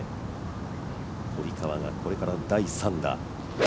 堀川がこれから第３打。